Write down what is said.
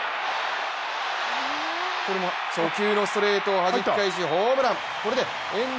初球のストレートをはじき返しホームラン。